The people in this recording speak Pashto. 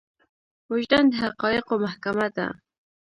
وجدان د حقايقو محکمه ده.